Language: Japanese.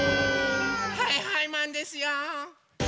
はいはいマンですよ！